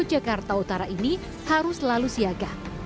jakarta utara ini harus selalu siaga